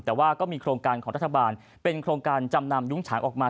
แต่ว่าก็มีโครงการของรัฐบาลเป็นโครงการจำนำยุ้งฉางออกมา